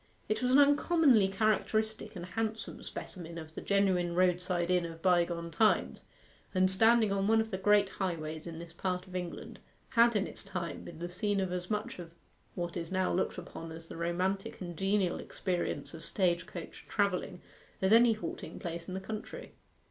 It was an uncommonly characteristic and handsome specimen of the genuine roadside inn of bygone times; and standing on one of the great highways in this part of England, had in its time been the scene of as much of what is now looked upon as the romantic and genial experience of stage coach travelling as any halting place in the country.